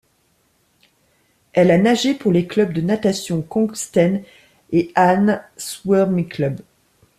Elle a nagé pour les clubs de natation Kongsten et Åsnes Svømmeklubb.